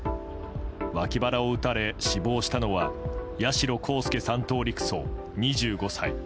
脇腹を撃たれ死亡したのは八代航佑３等陸曹、２５歳。